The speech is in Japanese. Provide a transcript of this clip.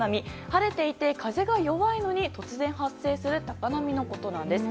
晴れていて風が弱いのに突然、発生する高波のことなんです。